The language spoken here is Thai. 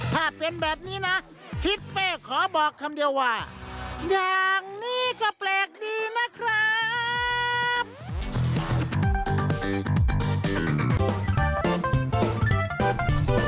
ถ้าเป็นแบบนี้นะทิศเป้ขอบอกคำเดียวว่าอย่างนี้ก็แปลกดีนะครับ